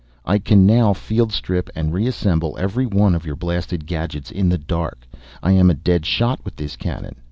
I can now field strip and reassemble every one of your blasted gadgets in the dark. I am a dead shot with this cannon.